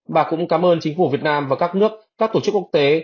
bà cũng cảm ơn chính phủ việt nam và các nước các tổ chức quốc tế